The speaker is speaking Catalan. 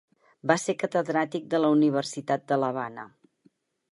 Va ser catedràtic de la Universitat de l'Havana.